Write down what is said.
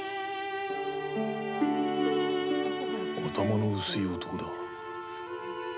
頭の薄い男だ。